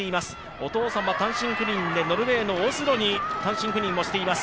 お父さんは単身赴任でノルウェーのオスロに単身赴任をしています。